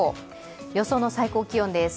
予想最高気温です。